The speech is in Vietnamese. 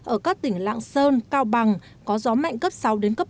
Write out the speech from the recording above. ở các tỉnh lạng sơn cao bằng có gió mạnh cấp sáu bảy giật cấp chín